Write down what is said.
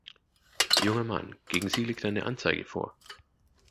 Junger Mann, gegen Sie liegt eine Anzeige vor.